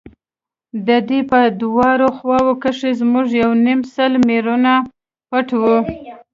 د درې په دواړو خواوو کښې زموږ يو يونيم سل مېړونه پټ وو.